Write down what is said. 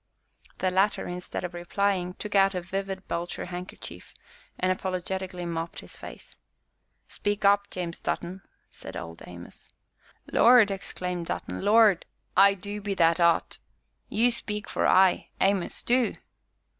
The latter, instead of replying, took out a vivid belcher handkerchief, and apologetically mopped his face. "Speak up, James Dutton," said Old Amos. "Lord!" exclaimed Dutton, "Lord! I du be that 'ot! you speak for I, Amos, du."